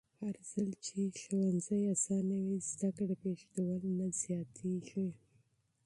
هرځل چې ښوونځي اسانه وي، زده کړه پرېښودل نه زیاتېږي.